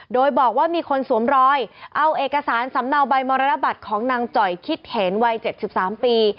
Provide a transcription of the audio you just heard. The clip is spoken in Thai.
โดยบอกว่ามีคนสวมรอยเอาเอกสารสำเนาใบมรณบัตรของนางจ่อยคิดเห็นวัย๗๓ปี